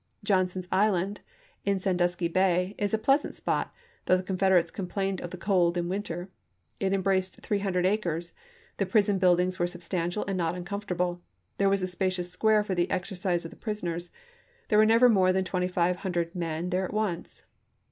Johnson's Island, in Sandusky Bay, is a pleasant spot, though the Con federates complained of the cold in winter. It em PEISONEKS OF WAR 465 braced three hundred acres ; the prison buildings chap, xvl were substantial and not uncomfortable ; there was a spacious square for the exercise of the prisoners ; there were nevermore than twenty five hundred men there at once.